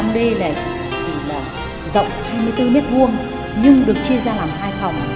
ngôi nhà năm d này thì là rộng hai mươi bốn m hai nhưng được chia ra làm hai phòng